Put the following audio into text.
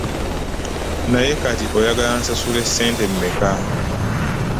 Naye kati oyagala nsasule ssente mmeka?